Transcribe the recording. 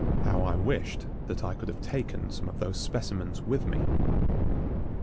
How I wished that I could have taken some of these specimens with me!